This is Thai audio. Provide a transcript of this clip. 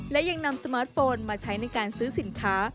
และยังนำสมาร์ทโฟนมาใช้ในการซื้อสินค้า